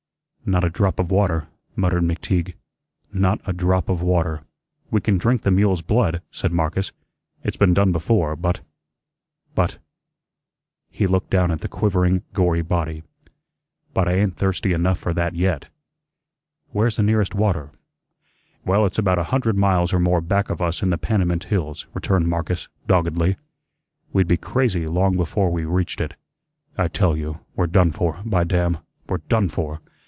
"Not a drop of water," muttered McTeague; "not a drop of water." "We can drink the mule's blood," said Marcus. "It's been done before. But but " he looked down at the quivering, gory body "but I ain't thirsty enough for that yet." "Where's the nearest water?" "Well, it's about a hundred miles or more back of us in the Panamint hills," returned Marcus, doggedly. "We'd be crazy long before we reached it. I tell you, we're done for, by damn, we're DONE for.